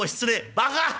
「バカ！